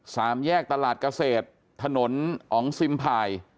สามแยกตลาดเกษตรถนนอ๋องซิมพาย